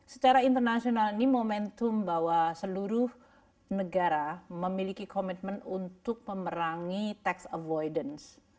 secara internasional ini momentum bahwa seluruh negara memiliki komitmen untuk memerangi tax avoidance